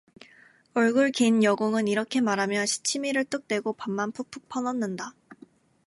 얼굴 긴 여공은 이렇게 말하며 시치미를 뚝 떼고 밥만 푹푹 퍼넣는다.